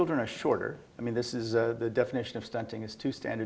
definisi pendidikan dua deviasi standar